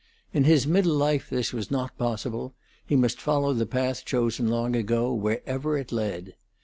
In his middle life this was not possible; he must follow the path chosen long ago, wherever, it led.